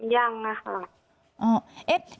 ยังนะคะ